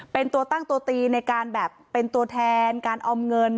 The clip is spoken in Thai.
เป็นตัวตั้งตัวตีในการแบบเป็นตัวแทนการออมเงิน